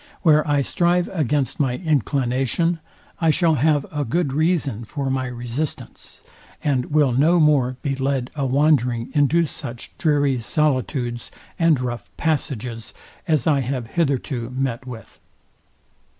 Where I strive against my inclination, I shall have a good reason for my resistance; and will no more be led a wandering into such dreary solitudes, and rough passages, as I have hitherto met with.